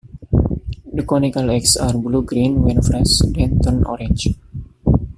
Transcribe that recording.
The conical eggs are blue green when fresh, then turn orange.